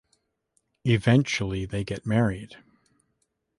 Eventually they get married.